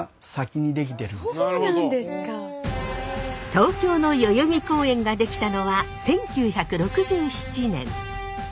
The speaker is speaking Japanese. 東京の代々木公園ができたのは１９６７年。